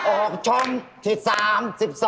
ออกช่องที่๓๒